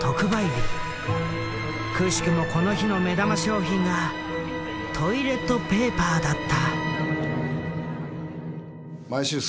くしくもこの日の目玉商品がトイレットペーパーだった。